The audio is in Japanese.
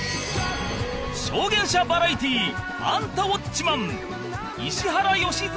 『証言者バラエティアンタウォッチマン！』石原良純